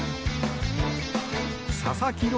佐々木朗